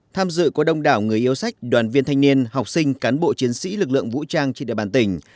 tham dự có đông đảo người yêu sách đoàn viên thanh niên học sinh cán bộ chiến sĩ lực lượng vũ trang trên địa bàn tỉnh